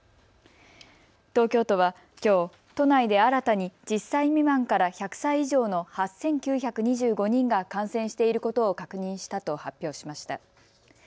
東京都はきょう都内で新たに１０歳未満から１００歳以上の８９２５人が感染していることを確認したと発表しました。